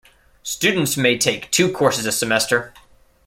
Students may take two courses a semester.